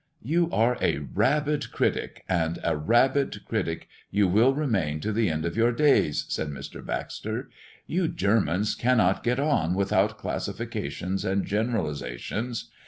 "You are a rabid critic, and a rabid critic you will remain to the end of your days," said Mr. Baxter. "You Germans cannot get on without classifications and generalisations.